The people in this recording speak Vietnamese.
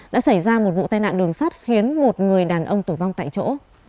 đã xảy ra một vụ tai nạn đường sắt khiến một người đàn ông tử vong tại chỗ